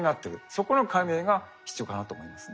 そこの解明が必要かなと思いますね。